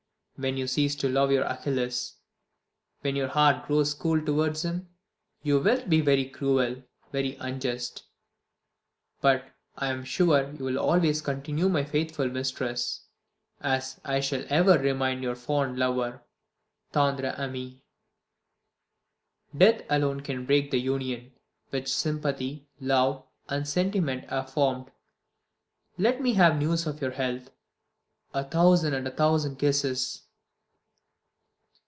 When you cease to love your Achilles, when your heart grows cool towards him, you wilt be very cruel, very unjust. But I am sure you will always continue my faithful mistress, as I shall ever remain your fond lover ('tendre amie'). Death alone can break the union which sympathy, love, and sentiment have formed. Let me have news of your health. A thousand and a thousand kisses.